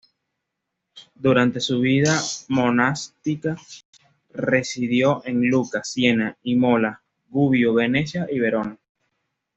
Durante su vida monástica residió en Lucca, Siena, Imola, Gubbio, Venecia y Verona.